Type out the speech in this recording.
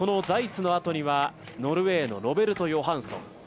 ザイツのあとにはノルウェーのロベルト・ヨハンソン。